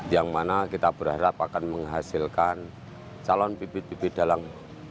yang mana kita berharap akan menghasilkan calon bibit bibit dalam